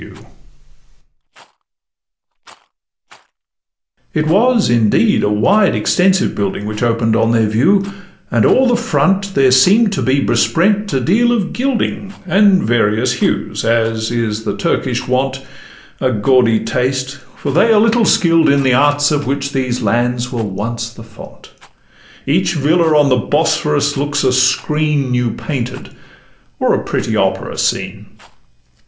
It was indeed a wide extensive building Which open'd on their view, and o'er the front There seem'd to be besprent a deal of gilding And various hues, as is the Turkish wont,— A gaudy taste; for they are little skill'd in The arts of which these lands were once the font: Each villa on the Bosphorus looks a screen New painted, or a pretty opera scene.